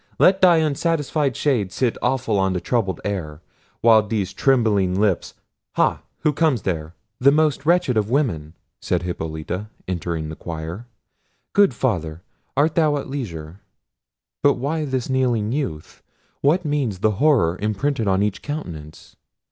let thy unsatisfied shade sit awful on the troubled air, while these trembling lips—Ha! who comes there?—" "The most wretched of women!" said Hippolita, entering the choir. "Good Father, art thou at leisure?—but why this kneeling youth? what means the horror imprinted on each countenance?